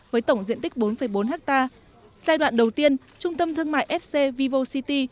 với tổng diện tích bốn bốn ha giai đoạn đầu tiên trung tâm thương mại sc vivocity